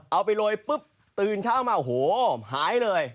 เอาไปโรยละปุ๊บตื่นเช้ามาหายเลย